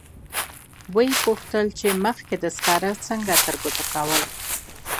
و یې پوښتل چې مخکې دې سکاره څنګه ترګوتو کول.